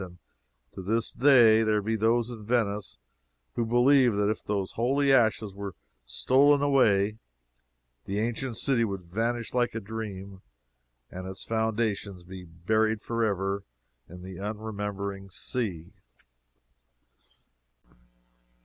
And to this day there be those in Venice who believe that if those holy ashes were stolen away, the ancient city would vanish like a dream, and its foundations be buried forever in the unremembering sea.